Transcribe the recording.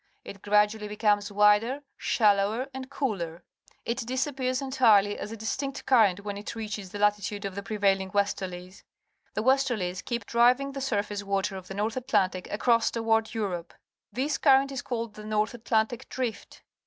It gradually becomes wider, shallower, and cooler. It disappears entirely as a distinct current when it reaches the la titude of the pxeiraUiogjvvesterlies. The westerlies keep driving the surface water of the North Atlantic across towarcl Europe. This current is called the North Atlantic Drift.